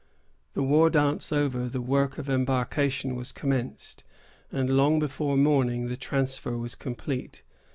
The war dance over, the work of embarkation was commenced, and long before morning the transfer was complete.